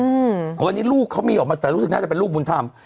อืมวันนี้ลูกเขามีออกมาแต่รู้สึกน่าจะเป็นลูกบุญธรรม